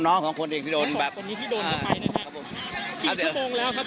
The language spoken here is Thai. ก็น้องของคนเด็กที่โดนแบบคนนี้ที่โดนก็ไปนะครับครับผมสิบชั่วโมงแล้วครับ